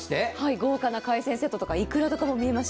豪華な海鮮セット、いくらとかも見えます。